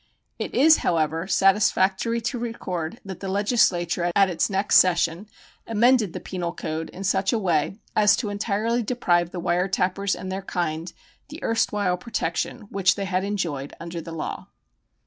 It is, however, satisfactory to record that the Legislature at its next session amended the penal code in such a way as to entirely deprive the wire tappers and their kind of the erstwhile protection which they had enjoyed under the law.